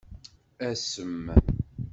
Asem.